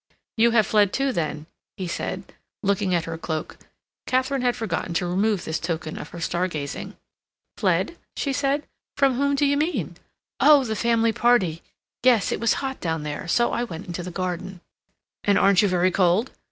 "You have fled, too, then?" he said, looking at her cloak. Katharine had forgotten to remove this token of her star gazing. "Fled?" she asked. "From whom d'you mean? Oh, the family party. Yes, it was hot down there, so I went into the garden." "And aren't you very cold?"